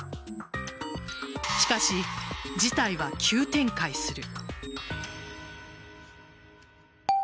しかし、事態は急展開する。